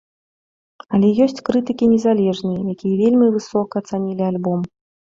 Але ёсць крытыкі незалежныя, якія вельмі высока ацанілі альбом.